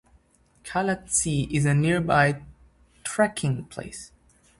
Khalatse is a nearby trekking place.